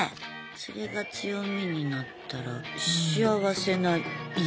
それが強みになったら幸せな家になるよね。